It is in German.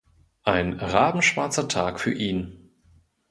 Ein rabenschwarzer Tag für ihn.